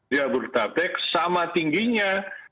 jabodetabek sama tingginya